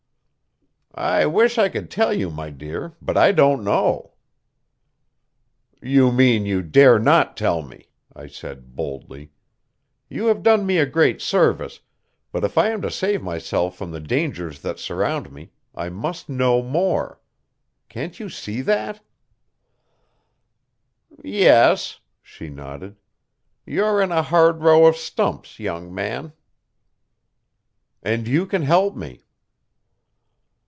"I wish I could tell you, my dear, but I don't know." "You mean you dare not tell me," I said boldly. "You have done me a great service, but if I am to save myself from the dangers that surround me I must know more. Can't you see that?" "Yes," she nodded. "You're in a hard row of stumps, young man." "And you can help me."